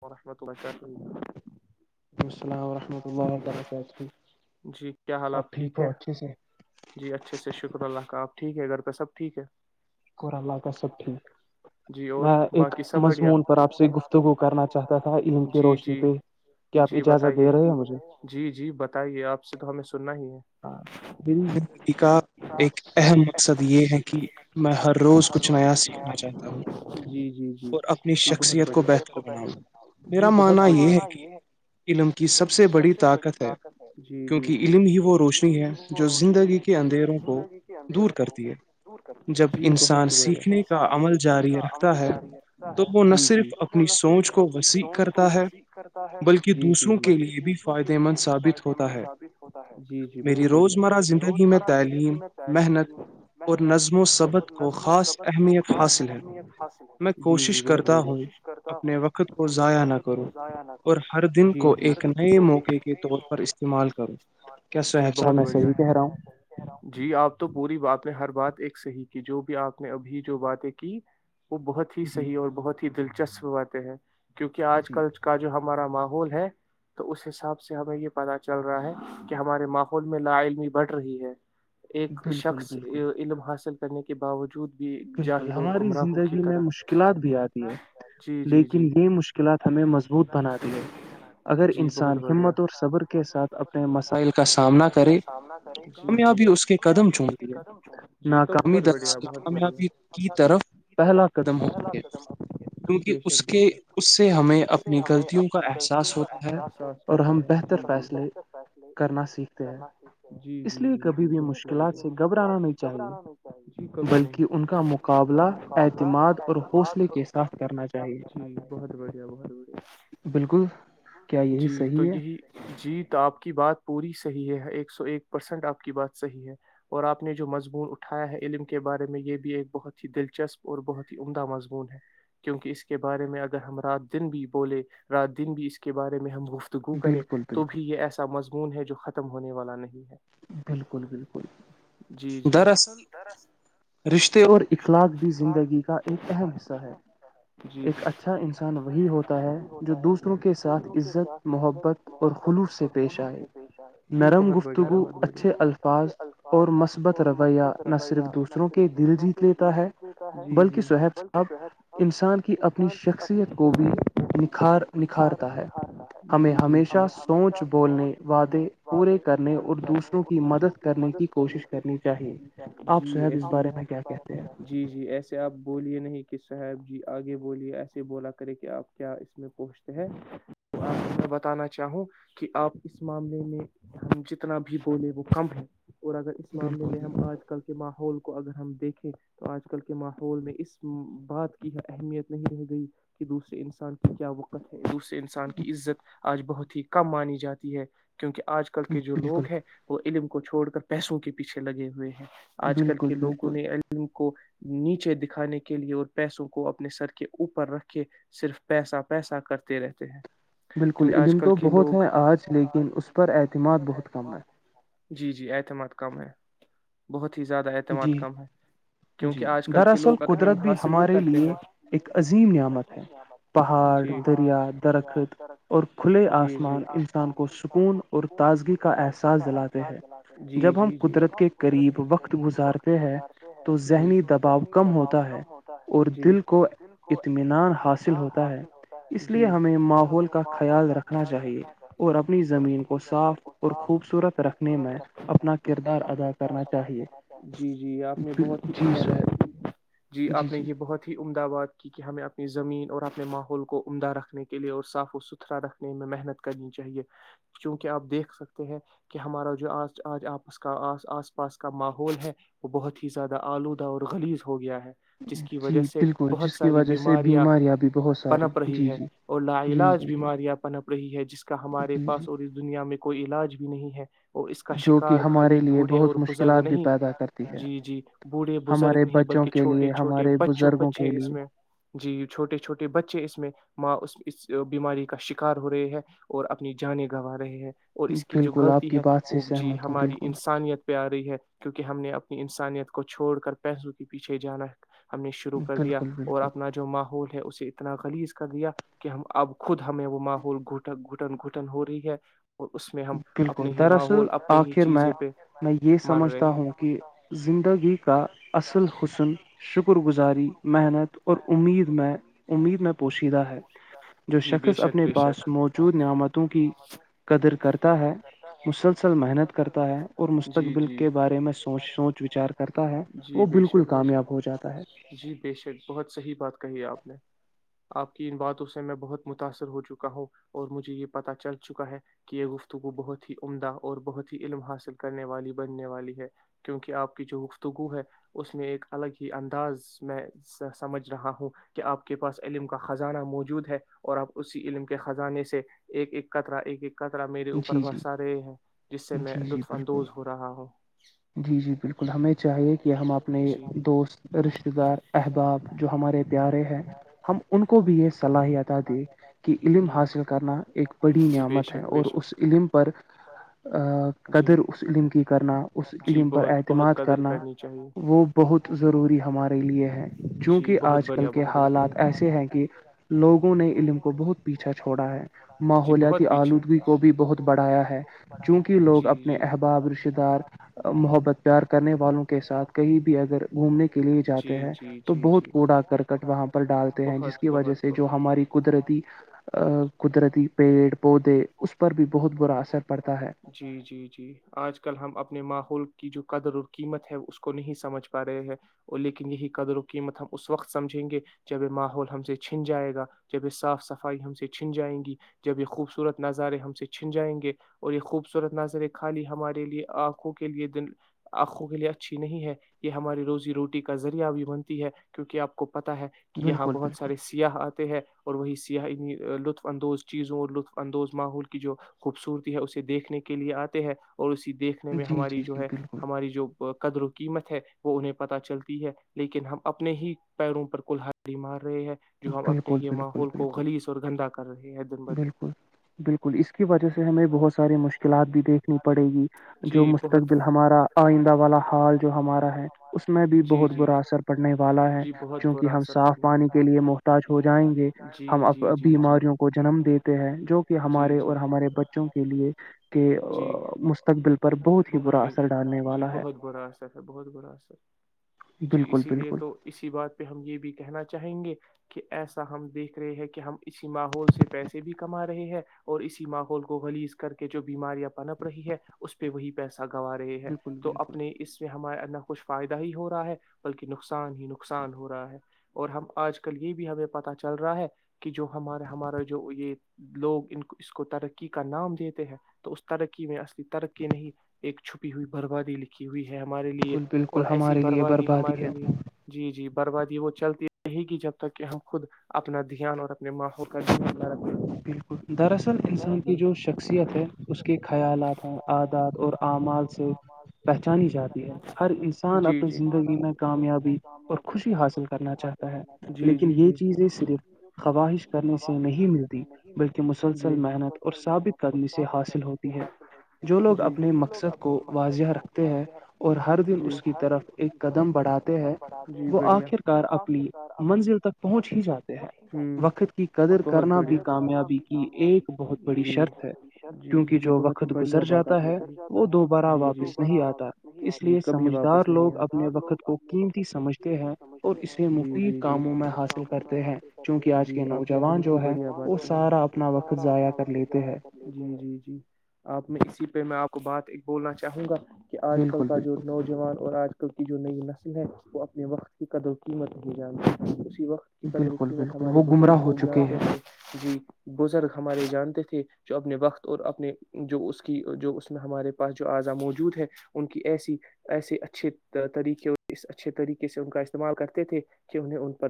وورحمۃ اللہ لیک السلام وورحمۃ اللہ وبرکاتہ جی کیا حال آب آپ ٹھیک ہو ہے اچھے سے جی اچھے سے شکر اللہ کا آپ ٹھیک ہے گھر کا سب ٹھیک ہے شکر اللہ کا سب ٹھیک جی اور میں ایک باقی سب بڑھیا مضمون پر آپ سے گفتگو کرنا چاہتا تھا علم کی جی روشنی جی پہ کیا آپ جی اجازت بتائیے دے رہے ہیں مجھے جی جی بتائیے آپ سے تو ہمیں سننا ہی ہے ہ میری زندگی کا ایک اہم مقصد یہ ہے کہ میں ہر روز کچھ نیا سیکھنا چاہتا ہوں جی جی جی اور اپنی جی بہت شخصیت کو بڑھیا بہتر بناؤ جی میرا بہت ماننا یہ ہے بڑھیا کہ علم کی سب سے بڑی طاقت ہے کیونکہ علم ہی وہ روشنی علم ہے ہی جو روشنی زندگی ہے کے جو اندھیروں کو زندگی کے دور اندھیروں کو کرتی ہے دور کرتی ہے جب جی بہت انسان ہی بڑھیا سیکھنے کا انسان عمل سیکھنے جاری کا عمل رکھتا ہے جاری رکھتا تو ہے وہ نہ جی جی صرف وہ اپنی نہ سوچ صرف کو اپنی وسیع سوچ کو کرتا ہے وسیع کرتا ہے بلکہ جی جی دوسروں کے بلکہ لیے بھی دوسروں کے فائدے لیے مند بھی ثابت فائدے ہوتا مند ہے ثابت ہوتا ہے جی میری بہت بڑھیا روزمرہ میری روز زندگی میں مرہ زندگی تعلیم میں محنت تعلیمی اور نظم و محنت ثبت اور کو نظم و خاص سبت کو اہمیت خاص حاصل ہے اہمیت حاصل میں ہے جی جی کوشش بہت کرتا ہوں بڑھیا کرتا اپنے ہوں وقت کو ضائع نہ کرو اور ہر دن جی کو ایک جی نئے کو موقعے کے طور پر استعمال کرو جی بہت بڑھیا ہے جی آپ تو پوری بات میں ہر بات ایک صحیح کی جو بھی آپ نے ابھی جو باتیں کی وہ بہت ہی جی صحیح اور بہت ک چسپواتے ہیں کیونکہ آج جی کل کا جو ہم ہمارا ماحول ہے تو اس حساب سے ہمیں یہ پتا چل رہا ہے کہ ہمارے ماحول میں لا علمی بڑھ رہی ہے ایک بالکل شخص بالکل علم حاصل کرنے کے باوجود بھی بالکل جاہل اور ہماری گمراہوں کی زندگی میں طرح مشکلات بھی آتی ہیں جی جی لیکن جی یہ مشکلات ہمیں مضبوط بنا دی ہے اگر جی بہت انسان بڑھیا ہمت اور صبر کے ساتھ اپنے مسائل کا سامنا کرے تو جی جی کامیابی اس کے قدم چن دی ہے جی تو ناکامی بہت بڑھیا درل بہت بڑھیا کی طرف پہلا قدم ہوتی ہے جی کیونکہ بے شک اس کے بےک اس سے ہمیں اس سے اپنی ہمیں غلطیوں کا اپنی غلطیوں احساس کا ہوتا ہے اااستا اور ہم بہتر ہے ہم فیصلے بہتر فیصلے کرنا سیکھتے ہیں کرنا جی اس جی لیے جی کبھی جی بھی سے مشکلات سے گھبرانا نہیں چاہیے ج کہ ان کا مقابلہ اعتماد اور حوصلے کے ساتھ کرنا چاہیے جی بہت بڑھیا بہت بڑھیا بالکل کیا یہی جی تو صحیح ہے یہی جیت آپ کی بات پوری صحی ہے ایک سو ایک پرسینٹ آپ کی بات صحیح ہے اور آپ نے جو مضمون اٹھایا ہے علم کے بارے میں یہ بھی ایک بہت ہی دلچسپ اور بہت ہی عمدہ مضمون ہے کیونکہ اس کے بارے میں اگر ہم رات دن بھی بولے رات دن بھی اس کے بارے میں ہم گفتگو کرے بالکل بالکل تو بھی یہ ایسا مضمون ہے جو ختم ختم ہونے والا نہیں ہے بالکل بالکل جی جی دراصل رشتے اور اخلاق بھی زندگی کا ایک اہم حصہ ہے جی ایک اچھا انسان وہی ہوتا ہے جو دوسروں کے ساتھ عزت محبت اور خلوص سے پیش آئے جی نرم بہت گفت بڑھیا گو بہت بڑھیا اچھے الفاظ اور مثبت رویہ نہ صرف دوسروں کے دل جیت لیتا ہے جی بلکہ جی سہیب صاحب انسان کی اپنی شخصیت کو بھی نکھار نکھارتا ہے ہمیں جی جی جی ہمیشہ سوچ بولنے وعدے پورے کر پورے کرنے اور دوسروں کی مدد کرنے کوشش کی کرنی کوشش چاہیے کرنی چاہیے آپ جی صہیب اس بارے میں کیا کہتے ہیں ایسی جی جی ایسے آپ بولیے نہیں صاب جی آگے بولیے ایسے بولا کرے کہ آپ کیا اس میں پہنچتے ہیں تو آپ بتانا چاہوں کہ آپ اس معاملے میں ہم جتنا بھی بولے وہ کم ہے اور اگر اس معاملے بالکل میں ہم آج کل کے ماحول کو اگر ہم دیکھیں تو آج کل کے ماحول میں اس بات کی اہمیت نہیں رہ گئی کہ دوسرے انسان کی کیا وقت اسے انسان کی عزت آج بہت ہی کم مانی جاتی ہے کیونکہ آج کل بالکل کے جو بالکل لوگ ہیں وہ علم کو چھوڑ کر پیسوں کے پیچھے لگے ہوئے ہیں آج کل بالکل کے لوگوں بالکل نے علم کو نیچے دکھانے کے لیے اور پیسوں کو اپنے سر کے اوپر رکھ کے صرف پیسا پیسا کرتے رہتے ہیں بالکل کیونکہ آج علم کل تو کے بہت لوگ ہیں آج لیکن اس پر اعتماد بہت کم ہے جی جی اعتماد کم ہے بہت ہی زیادہ اعتماد جی کم ہے کیونکہ جی آج کل کے دراصل لوگ اگر قدرت ان حاصل بھی کر ہمارے لیے ایک عظیم نعمت ہے پہاڑ جی دریا درخت اور کھلے جی آسمان انسان کو سکون اور تازگی کا احساس دلاتے ہیں جب ہم قدرت کے قریب وقت ب وقت گزارتے ہیں گزارتے تو ہیں ذہنی تو دباؤ ذہنی کم دباؤ ہوتا ہے کم ہوتا اور ہے دل کو اطمینان حاصل ہوتا ہے اس لیے جی جی ہمیں ماحول کا خیال رکھنا چاہیے اور اپنی زمین کو صاف اور خوبصورت رکھنے میں اپنا کردار ادا کرنا چاہیے جی جی آپ نے بہت ہی جی سر جی آپ نے یہ بہت امدباد کی کہ ہمیں اپنی زمین اور اپنے ماحول کو عمدہ رکھنے کے لیے اور صاف و ستھرا رکھنے میں محنت کرنی چاہیے چونکہ آپ دیکھ سکتے ہیں کہ ہمارا جو آج آج آپس کا آ آس پاس کا ماحول ہے وہ بہت ہی زیادہ آلودہ اور لیز ہو گیا ہے جس کی وجہ جی بالکل بہت جس کی ساری وجہ سے بیماریاں بھی بہت ساری پنپ رہی جی ہے جی اور جی جی لالاج بیماریاں پنپ رہی ہے جس کا ہمارے جی جی پاس اور اس دنیا میں کوئی علاج بھی نہیں ہے اور اس کا جو کہ شکار ہمارے خالی لیے بوڑھے اور بہت بزرگ مشکلات بھی نہیں پیدا کرتی ہے جی جی بوڑھے بزرگ ہمارے نہیں بچوں بلکہ کے چھوٹے لیے چھوٹے ہمارے بچوں بزرگوں بچ کے لیے اس میں جی چھوٹے چھوٹے بچے اس میں ماں اس بیماری کا شکار ہو رہے ہیں اور اپنی جان گوا رہے ہیں اور اس کی جو بالکل آپ غلطی کی ہے بات سے وہ جی سہمت ہوں ہماری بالکل انسانیت پہ آ رہی ہے کیونکہ ہم نے اپنی انسانیت کو چھوڑ کر پیسوں کے پیچھے جانا ہم نے کر دیا بالکل بالکل اور اپنا جو ماحول ہے اسی اتنا خلیز کر دیا کہ ہم اب خود ہمیں وہ ماحول گٹن گھٹن گھٹن ہو رہی ہے اس میں ہم بالکل اپنے ہی دراصل ماحول اپنے ہی آخر میں چیزیں پہ میں یہ مر رہے سمجھتا ہیں ہوں کہ زندگی کا اصل حسن شکر گزار محنت اور اد میں امید میں پوشیدہ ہے جو جی بے شخص شک اپنے بے شک پاس موجود نعمتوں کی قدر کر ہے مسلسل محنت کرتا ہے اور جی مستقبل جی کے بارے میں سوچ سوچ وچار کرتا ہے جی وہ بے بالکل شک بے کامیاب ہو جاتا ہے جی بے شک بہت صحیح بات کہی ہے آپ نے آپ کی ان باتوں سے میں بہت متاثر ہو چکا ہوں اور مجھے یہ پتہ چل چکا ہے کہ یہ گفتگو بہت ہی عمدہ اور بہت ہی علم حاصل کرنے والی بننے والی ہے کیونکہ آپ کی جو گفتگو ہے اس میں ایک الگ ہی انداز میں سمجھ رہا ہوں کہ آپ کے پاس علم کا خزانہ موجود ہے اور آپ اسی علم کے خزانے سے ایک ایک کطرہ ایک ایک قطرہ میرے اوپر جی جی برسا رہے ہیں جس سے میں جی جی لطف بالکل اندوز ہو رہا ہوں جی جی بالکل ہمیں چاہیے کہ ہم اپنے دوست رشتے ار احباب جو ہمارے پیارے ہیں ہم ان کو بھی یہ صلاحیت دیں کہ علم جی حاصل کرنا ایک بڑی جی بے نعمت ہے شک بے اور شک اس علم پر جی قدر اس علم کی کرنا اس جی علم پر بہت اعتماد بہت قدر کرنا کرنی چاہیے وہ بہت ضروری ہے لیے ہیں جی چونکہ بہت آج کل بڑھیا کے بہت بڑھیا حالات ایسے ہیں کہ لوگوں نے علم کو بہت پیچھا چھوڑا ہے جی ماحولیاتی بہت آلودگی کے بھی بہت بڑھایا ہے چونکہ لوگ جی اپنے احباب رشتے دار محبت پیار کرنے والوں کے ساتھ کہیں بھی اگر گھومنے کے لیے جی جاتے ہیں جی تو جی بہت جی کوڑا کرکٹ وہاں پر ڈالتے ہیں جس بہت کی وجہ بہت سے جو ہماری قدرتی قدرتی پیڑ پودے پر بھی بہت برا اثر پڑتا ہے جی جی جی آج کل ہم اپنے ماحول کی جو قدر اور قیمت ہے اس کو نہیں سمجھ پا رہے ہیں اور لیکن یہی قدر و قیمت ہم اس وقت سمجھیں گے جب ماحول ہم سے چھن جائے گا جب صاف صفائی ہم سے چھن جائیں گی جب یہ خوبصورت نظارے ہم سے چھن جائیں گے اور یہ خوبصورت نظارے خالی ہمارے لیے آنکھوں کے لیے دن آنکھوں کے لیے اچھی نہیں ہے یہ ہماری روزی روٹی کا ذریعہ بھی بنتی ہے کیونک آپ کو پتا ہے کہ یہاں بالکل بہت سارے بالکل سیاح آتے ہیں اور وہی سیاح لطف اندوز چیزوں اور لطف اندوز ماحول کی جو خوبصورتی ہے اسے دیکھنے کے لیے آتے ہے اور اسی دیکھنے میں جی جی ہماری جو جی ہے بالکل ہماری جو قدر و قیمت ہے وہ انہیں پتا چلتا ہے لیکن ہم اپنے ہی پیروں پر کلہاری مار رہے ہیں جو ہم اپنے بالکل یہ بالکل ماحول کو بالکل گلیش اور گندا کر رہے ہیں دن بدن بالکل بالکل اس کی وجہ سے بہت ساری مشکلات بھی دیکھنی پڑے گی جو جی بہت مستقبل ہمارا آئندہ والا حال جو ہمارا ہے اس میں بھی جی بہت جی برا اثر پڑنے والا ہے جی بہت چونکہ برا ہم اثر صاف پانی کے لیے محتاج ہو جائیں گے پڑا۔ جی ہم جی جی بیماریوں کو جنم دیتے ہیں جو کہ جی ہمارے اور ہمارے بچوں کے لیے کہ جی مستقبل پر برا بہت ہی اثر ڈالنے جی والا ہے بہت برا اثر ہے بہت برا اثر جی بالکل اسی لیے بالکل تو اسی بات پہ ہم یہ بھی کہنا چاہیں گے کہ ایسا ہم دیکھ رہے ہیں کہ ہم اسی ماحول سے پیسے بھی کما رہے ہیں اور اسی ماحول کو گلیز کر کے جو بیماریاں پنپ رہی ہے اس پہ وہی پیسہ گوا رہے ہیں بالکل تو بالکل اپنے اس میں ہمارے ال کچھ فائدہ ہی ہو رہا ہے بلکہ نقصان ہی نقصان ہو رہا ہے اور ہم آج کل یہ بھی ہمیں پتا چل رہا ہے کہ جو ہمارا ہمارا جو یہ لوگ اس کو ترقی کا نام دیتے ہیں تو اس ترقی میں اصلی ترقی نہیں ایک چھپی ہوئی بربادی لکھی ہوئی ہے ہمارے لیے بالکل بالکل اور ایسی ہمارے لیے بربادی ہے ہمارے لیے جی جی بربادی وہ چلتی رہے گی جب تک کہ ہم خود اپنا دھیان اور اپنے ماحول کا د بالکل دراصل انسان جو شخصیت ہے اس کے خیالات ہیں عادات اور اعمال سے پہچانی جاتی ہے ہر انسان جی اپنی جی زندگی میں کامیابی اور خوشی حاصل کرنا چاہتا ہے جی لیکن جی یہ جی چیزیں صرف خواہش کرنے سے نہیں مل بلکہ مسلسل جی محنت اور ثابت قدمی سے حاصل ہوتی جو لوگ جی اپنے مقصد کو واضح رکھتے ہیں اور ہر دن جی اس کی طرف ایک قدم بڑھاتے ہیں جی وہ بڑھیا آخر کار اپنی منزل تک پہنچ ہی جاتے ہیں وقت کی قدر کرنا بھی کرنا کامیابی بھی کی کامیابی ایک بہت بڑی کی شرط ہے جر کیونکہ جی جی جو بہت ہی وقت بڑھیا گزر بات جاتا آپ نے ہے کر جاتا وہ ہے دوبارہ جی جی واپس نہیں آتا واپس نہیں آ اس جی لیے کبھی سمجھدار واپس نہیں لوگ آ اپنے لوگ وقت کو اپنے وقت قیمتی کو سمجھتے قتی ہیں اور سمجھتے ہیں اسے جی مفید جی کاموں میں جی حاصل کاموں میں کرتے ہیں حاصل کرتے چونکہ ہیں آج کے جی آپ نے نوجوان بہت ہی جو ہے بڑھیا بات [unintelligible] سارا وہ اپنا وقت سارا ضائع اپنا کر وقت لیتے ضائیا ہیں کر جی جی جی [unintelligible] آپ میں اسی پہ میں آپ کو بات ایک بولنا چاہوں گا کہ آج کل بالکل کا جو بالکل نوجوان اور آج کل کی جو نئی نسل ہے وہ اپنے وقت کی کدوں قیمت نہیں جانتا وقت کی قدر و بالکل قیمت بالکل ہمارے وہ گمراہ بزرگ ہو کو چکے جانتے ہیں تھے جی بزرگ ہمارے جانتے تھے جو اپنے وقت اور اپنے جو اس کی جو اس میں ہمارے پاس جو اعضا موجود ہے ان کی ایسی ایسے اچھے طریقے اس اچھے طریقے سے ان کا استعمال کرتے تھے کہ انہیں ان پر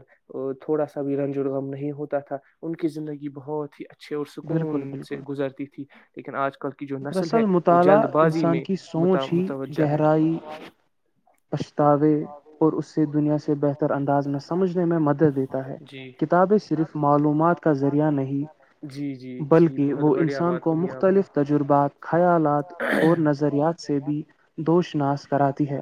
تھوڑا سا بھی رنج غم نہیں ہوتا تھا ان کی زندگی بہت ہی ا اچھے اور بالکل سکون سے بالکل گزرتی تھی لیکن آج کل کی جو نسل ہے دراصل وہ جلد مطالعہ بازی انسان میں کی سوچ ہی متوجہ ہے گہرائی پچھتاوے اور اس سے دنیا سے بہتر انداز میں سمجھنے میں مدد دیتا ہے جی کتابیں صرف معلومات کا ذریعہ نہیں جی جی جی بلکہ بہت وہ بڑھیا انسان بات کو کہی آپ مختلف تجر بات خیالات نے اور نظریات سے بھی دوشناس کراتی ہے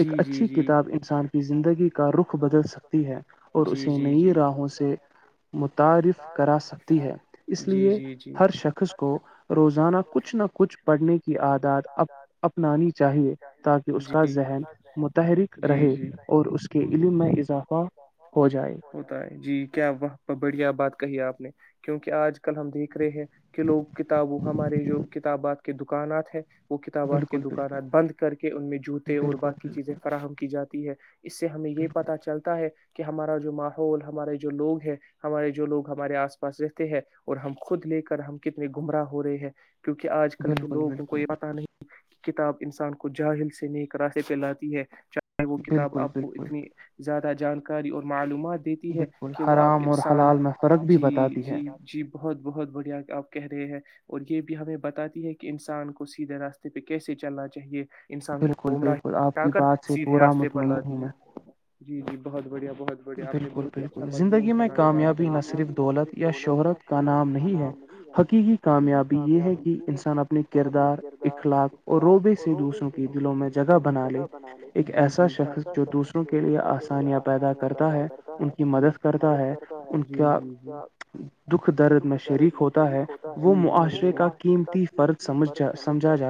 ایک جی اچھی جی کتاب انسان کی زندگی کا رخ بدل سکتی ہے اور جی اسے جی جی نئی راہوں سے متعارف کرا سکتی ہے اس جی جی لیے جی ہر شخص کو روزان کچھ نہ کچھ پڑھنے کی عاداد اپنانی چاہیے تاکہ اس کا جی متحرک جی رہے جی اور اس کے علم میں اضافہ ہو جائے ہوتا ہے جی کیا وہ بڑھیا بات آپ نے کیونکہ آج کل ہم دیکھ رہے ہیں کہ لوگ کتابوں ہمارے جو کتابات کے دکانات ہیں وہ کتابات کے بالکل بالکل دکانات بند کر کے ان میں جوتے اور بالکل باقی چیزیں فراہم کی جاتی ہے اس سے ہمیں یہ بالکل پتا چلتا ہے کہ ہمارا جو ماحول ہمارے جو لوگ ہے ہمارے جو لوگ ہمارے آس پاس رہتے ہے اور ہم خود لے کر ہم کتنے گمراہ ہو رہے ہیں کیونکہ آج کل کے بالکل بالکل لوگوں کو بالکل یہ پتا نہیں کتاب انسان کو جاہل سے نیک راس پہ لاتی ہے وہ کتاب بالکل آپ کو بالکل اتنی زیادہ جانکاری اور معلومات دیتی ہے بالکل کہ وہ آپ حرام اور انسان حلال میں فرق بھی جی بتاتی ہے جی جی بہت بہت بڑھیا آپ کہہ رہے ہیں اور یہ بھی ہمیں بتاتی ہے کہ انسان کو سیدھے راستے پہ کیسے چلنا چاہیے انسان کو بالکل گمراہ بالکل آپ ہٹا کی کر بات سے سیدھے پورا راستے پر مطمئن ہوں لاتی ہے میں جی جی بہت بڑھیا بہت بڑیا آپ نے بہت اچھا مضمون کابی نہ صرف دولت یا شہرت کا نام م گا حقیقی کامیابی یہ ہے کہ انسان اپنے کردار اخلاق اور روبے سے دوسروں کے دلوں میں جگہ بنا لے جی ایسا شخص جو دوسروں کے لیے آسانی کرتا ہے ان کی مدد کرتا ہے ان جی کا جی جی دکھ درد میں شریک ہوتا ہے وہ دون معاشرے کا قیمتی فرض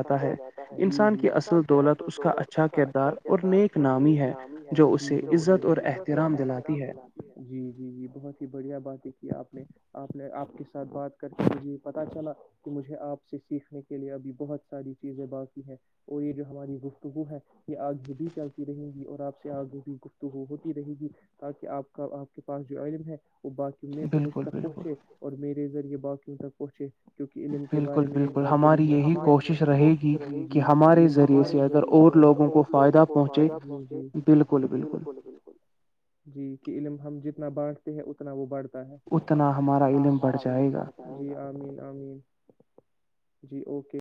سمجھا جاتا ہے انسان کی اصل دولت اس کا اچھا کردار اور نیک نامی ہے اور احترام جلاتے جی جی جی بہت ہی بڑھیا بات دھی آپ آپ نے آپ کے ساتھ بات کر کے مجھے پتا چلا کہ مجھے آپ سے سیکھنے کے لیے ابھی بہت ساری چیزیں باقی ہیں اور یہ جو ہماری گفتگو ہے یہ آگے بھی چلتی رہیں گی اور آپ سے آگ بھی گفتگو ہوتی رہے گی تاکہ آپ کا آپ کے پاس جو علم ہے باقی مجھ بالکل تک بالکل پہنچے اور میرے ذریعے باقی وں تک پہنچے کیوںکہ علم کے بارے بالکل میں ایک بالکل بار بڑی ہماری ہی یہی اچھی رہے کوشش گی جی کہ ہمارے علم ذریعے ہمے سے اگر ذریعے اور سے اگر لوگوں کو اور لوگوں فائدہ کو پہنچے فائدہ پہنچے بالکل بالکل جی کہ علم ہم ج نا بانٹتے ہیں اتنا وہ بانٹتا اتنا ہمارا علم بڑھ جائے گا آمین آمین جی اوکے